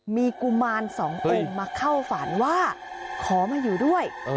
มีกุมารสององค์มาเข้าฝันว่าขอมาอยู่ด้วย